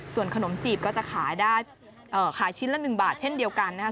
ส่วนขนมจีบก็จะขายชิ้นละ๑บาทเช่นเดียวกันนะคะ